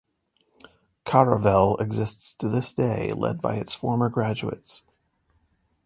"Caravel" exists to this day, led by its former graduates.